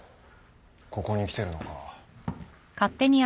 ここに来てるのか。